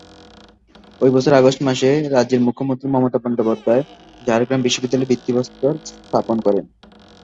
ওই বছরের অগাস্ট মাসে রাজ্যের মুখ্যমন্ত্রী মমতা বন্দ্যোপাধ্যায় ঝাড়গ্রাম বিশ্ববিদ্যালয়ের ভিত্তি প্রস্তর স্থাপন করেন।